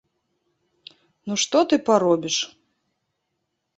Ну што ты паробіш.